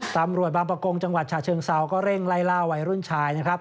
ตำรวจบางประกงจังหวัดฉะเชิงเซาก็เร่งไล่ล่าวัยรุ่นชายนะครับ